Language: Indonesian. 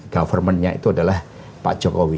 government nya itu adalah pak jokowi